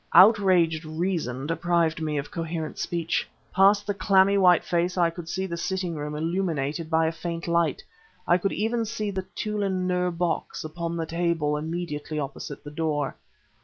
Outraged reason deprived me of coherent speech. Past the clammy white face I could see the sitting room illuminated by a faint light; I could even see the Tûlun Nûr box upon the table immediately opposite the door.